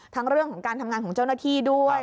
เรื่องของการทำงานของเจ้าหน้าที่ด้วย